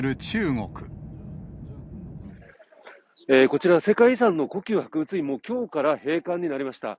こちら、世界遺産の故宮博物院も、きょうから閉館になりました。